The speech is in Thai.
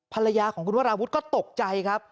ภรรยาของคุณวราวุฒิก็ตกใจครับ